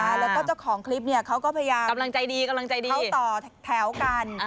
แล้วก็เจ้าของคลิปเขาก็พยายามเขาต่อแถวกัน